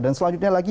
dan selanjutnya lagi